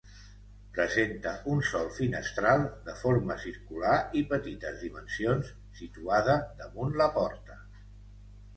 Presenta un sol finestral, de forma circular i petites dimensions, situada damunt la porta.